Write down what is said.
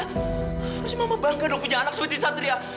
terus mama bangga dong punya anak seperti satria